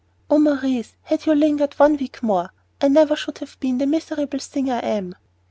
Oh, Maurice, had you lingered one week more, I never should have been the miserable thing I am!"